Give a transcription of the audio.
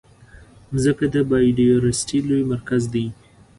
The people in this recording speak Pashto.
مځکه د بایوډایورسټي لوی مرکز دی.